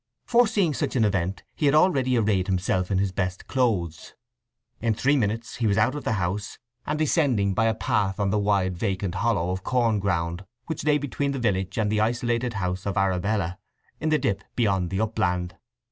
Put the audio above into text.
Foreseeing such an event he had already arrayed himself in his best clothes. In three minutes he was out of the house and descending by the path across the wide vacant hollow of corn ground which lay between the village and the isolated house of Arabella in the dip beyond the upland.